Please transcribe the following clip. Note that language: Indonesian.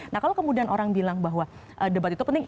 nah kalau kemudian orang bilang bahwa debat itu penting